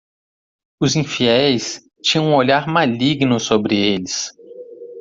Os infiéis tinham um olhar maligno sobre eles.